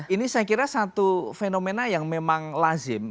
ini saya kira satu fenomena yang memang lazim